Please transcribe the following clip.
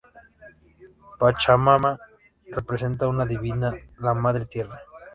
Pachamama representa una divinidad, la Madre Tierra.